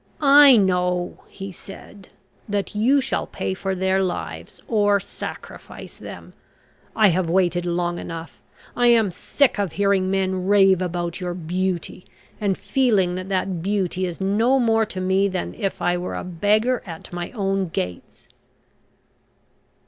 "I know," he said, "that you shall pay for their lives, or sacrifice them. I have waited long enough. I am sick of hearing men rave about your beauty, and feeling that that beauty is no more to me than if I were a beggar at my own gates."